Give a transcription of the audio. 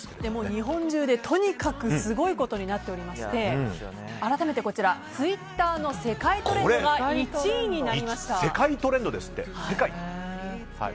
日本中でとにかくすごいことになっていまして改めてツイッターの世界トレンドが世界トレンドですって。